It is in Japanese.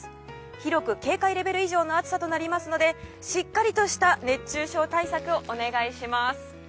広く警戒レベル以上の暑さとなりますのでしっかりとした熱中症対策をお願いします。